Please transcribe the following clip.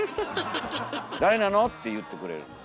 「誰なの？」って言ってくれるんです。